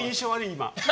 今。